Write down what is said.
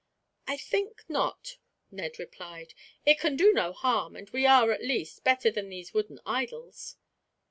"I think not," Ned replied. "It can do no harm; and we are, at least, better than these wooden idols.